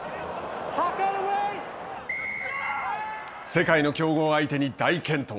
世界の強豪相手に大健闘。